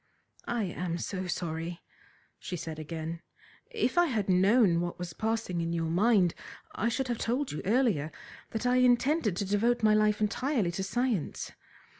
"I am so sorry," she said again. "If I had known what was passing in your mind I should have told you earlier that I intended to devote my life entirely to science.